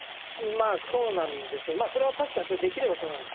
そうなんでしょう、それが確かにできればそうなんです。